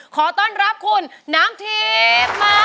ขอต้อนรับคุณน้ำทีมมามัน